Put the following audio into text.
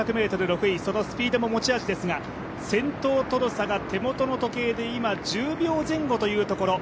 そのスピードも持ち味ですが先頭との差が手元の時計で今１０秒前後というところ。